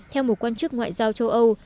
theo một quan chức ngoại giao châu âu